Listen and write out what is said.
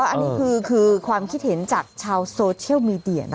อันนี้คือความคิดเห็นจากชาวโซเชียลมีเดีย